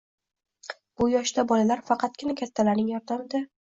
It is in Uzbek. Bu yoshda bolalar faqatgina kattalarning yordamida